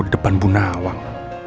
di depan bu nawang